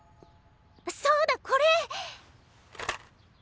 そうだこれ！